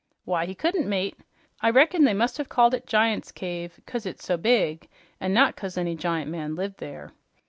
"Why, he couldn't, mate. I reckon they must have called it Giant's Cave 'cause it's so big, an' not 'cause any giant man lived there."